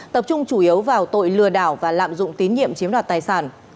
tập trung chủ yếu vào tội lừa đảo và lạm dụng tín nhiệm chiếm đoạt tài sản